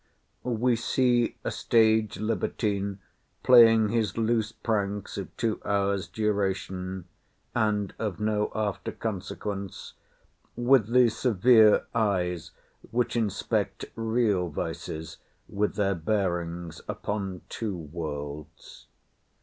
We see a stage libertine playing his loose pranks of two hours' duration, and of no after consequence, with the severe eyes which inspect real vices with their bearings upon two worlds.